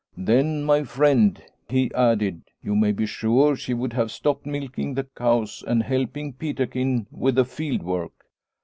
' Then, my friend/ he added, ' you may be sure she would have stopped milking the cows and helping Peterkin with the field work.